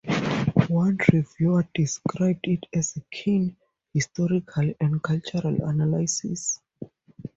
One reviewer described it as a keen historical and cultural analysis.